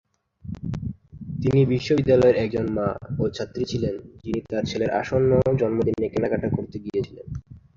তিনি বিশ্ববিদ্যালয়ের একজন মা ও ছাত্রী ছিলেন যিনি, তার ছেলের আসন্ন জন্মদিনে কেনাকাটা করতে গিয়েছিলেন।